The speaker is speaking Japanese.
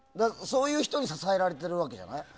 そういう人に支えられてるわけじゃない。